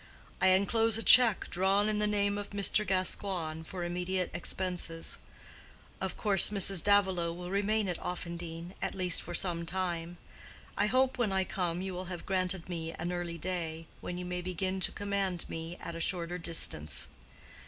I enclose a check drawn in the name of Mr. Gascoigne, for immediate expenses. Of course Mrs. Davilow will remain at Offendene, at least for some time. I hope, when I come, you will have granted me an early day, when you may begin to command me at a shorter distance.